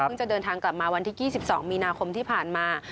จะเดินทางกลับมาวันที่๒๒มีนาคมที่ผ่านมา